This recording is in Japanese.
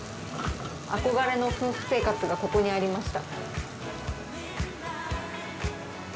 憧れの夫婦生活がここにありました。